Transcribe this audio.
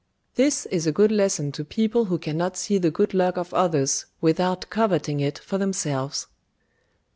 This is a good lesson to people who cannot see the good luck of others, without coveting it for themselves.